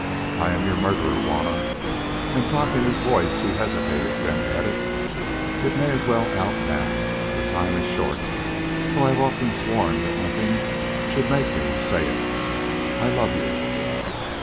I am your murderer, Juanna," and dropping his voice he hesitated, then added: "It may as well out now, for time is short, though I have often sworn that nothing should make me say it: I love you."